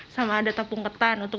sama ada tepung ketan untuk